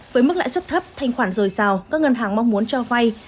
với mức lãi suất thấp thanh khoản dồi dào các ngân hàng mong muốn cho vay